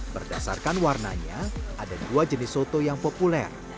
berdasarkan warnanya ada dua jenis soto yang populer